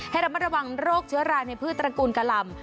ให้ระมัดระวังโรคเชื้อราในพืชตระกูลกะหล่ำ